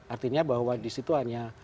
artinya bahwa disitu hanya